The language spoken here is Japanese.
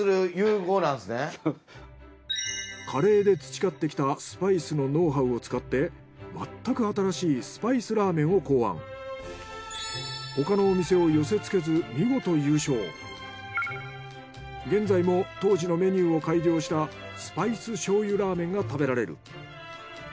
カレーで培ってきたスパイスのノウハウを使ってまったく新しい他のお店を寄せ付けず見事現在も当時のメニューを改良したスパイス正油ラーメンが食べられる。